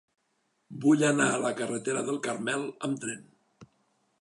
Vull anar a la carretera del Carmel amb tren.